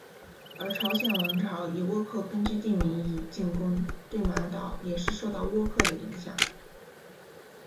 而朝鲜王朝以倭寇根据地名义进攻对马岛也是受到倭寇的影响。